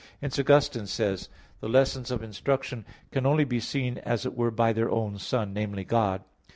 Hence Augustine says (Soliloq. i, 8), "The lessons of instruction can only be seen as it were by their own sun," namely God.